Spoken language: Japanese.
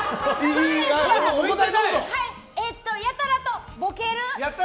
やたらとボケる！